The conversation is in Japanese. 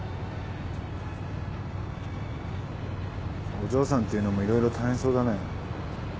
お嬢さんっていうのもいろいろ大変そうだね。